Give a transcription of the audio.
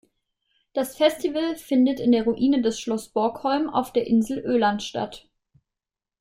Das Festival findet in der Ruine des Schloss Borgholm auf der Insel Öland statt.